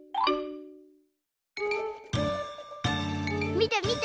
みてみて！